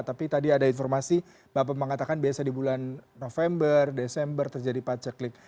tapi tadi ada informasi bapak mengatakan biasa di bulan november desember terjadi paceklik